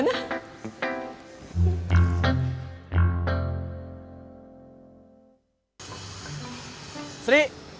neng aku mau ambil